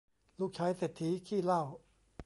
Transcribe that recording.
ลูกชายเศรษฐีขี้เหล้า